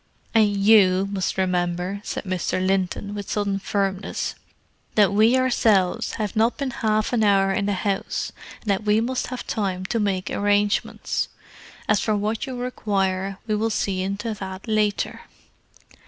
"And you must remember," said Mr. Linton, with sudden firmness, "that we ourselves have not been half an hour in the house, and that we must have time to make arrangements. As for what you require, we will see into that later."